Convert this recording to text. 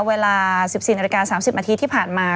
เวลา๑๔นาฬิกา๓๐นาทีที่ผ่านมา